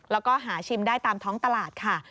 แล้วก็หาชิมได้ตามท้องตลาดค่ะ